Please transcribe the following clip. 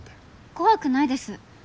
怖くないです！